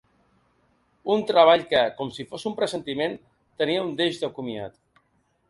Un treball que, com si fos un pressentiment, tenia un deix de comiat.